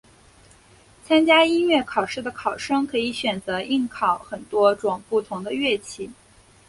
参加音乐考试的考生可以选择应考很多种不同的乐器。